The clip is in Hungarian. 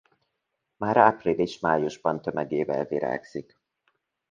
Már április-májusban tömegével virágzik.